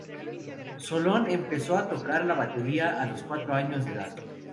Solon empezó a tocar la batería a los cuatro años de edad.